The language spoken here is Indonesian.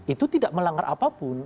itu tidak melanggar apapun